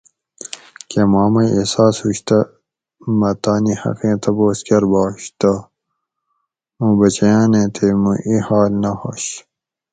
کہ ما مئی احساس ہُوش تہ مہ تانی حقیں تپوس کۤرباش تہ موں بچیانیں تے مُو ای حال نہ ہوش